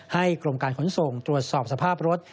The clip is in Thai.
กรมการขนส่งตรวจสอบสภาพรถ